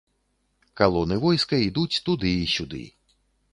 Калоны войска ідуць туды і сюды.